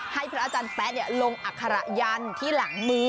ให้พระอาจารย์แป๊ะลงอัคระยันที่หลังมือ